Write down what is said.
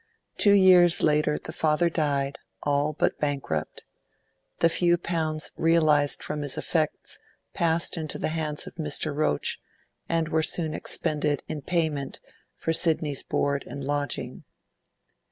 Two years later the father died, all but bankrupt. The few pounds realised from his effects passed into the hands of Mr. Roach, and were soon expended in payment for Sidney's board and lodging.